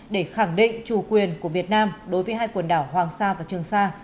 để khẳng định chủ quyền của việt nam đối với hai quần đảo hoàng sa và trường sa